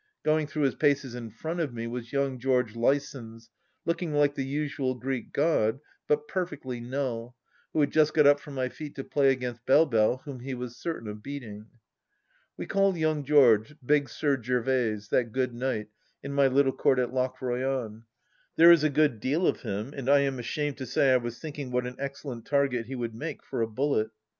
Going through his paces in front of me, was young George Lysons, looking like the usual Greek god, but per fectly null, who had just got up from my feet to play against Belle Belle, whom he was certain of beating. We call young George " Big Sir Gervaise, that good knight," in my little court at Lochroyan. There is a good deal of him, and I am ashamed to say I was thinking what an excellent target he would make for a bullet.